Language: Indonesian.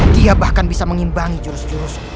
dia bahkan bisa mengimbangi jurus jurus